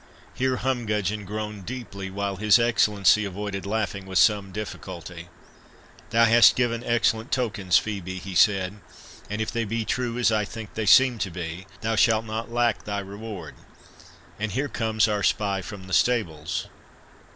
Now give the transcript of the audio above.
Here Humgudgeon groaned deeply, while his Excellency avoided laughing with some difficulty. "Thou hast given excellent tokens, Phœbe," he said; "and if they be true, as I think they seem to be, thou shalt not lack thy reward.—And here comes our spy from the stables."